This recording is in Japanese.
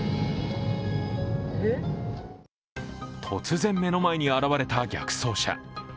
突然、目の前に現れた逆走車。